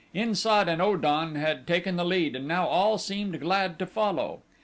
In sad and O dan had taken the lead and now all seemed glad to follow.